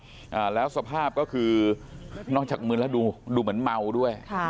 อ่าแล้วสภาพก็คือนอกจากมืนแล้วดูดูเหมือนเมาด้วยค่ะ